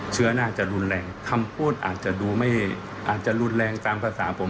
เชื้อน่าจะรุนแรงคำพูดอาจจะดูไม่อาจจะรุนแรงตามภาษาผม